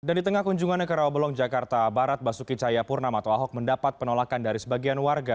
dan di tengah kunjungannya ke rawabalong jakarta barat basuki cahaya purnam atau ahok mendapat penolakan dari sebagian warga